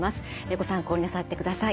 ご参考になさってください。